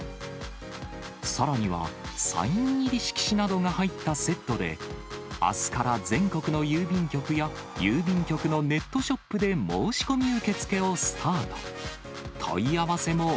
さらにはサイン入り色紙などが入ったセットで、あすから全国の郵便局や郵便局のネットショップで申し込み受け付けをスタート。